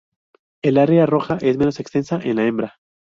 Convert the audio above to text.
El área roja es menos extensa en la hembra.